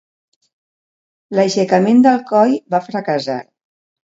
L'aixecament d'Alcoi va fracassar.